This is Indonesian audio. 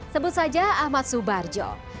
sebut saja ahmad subarjo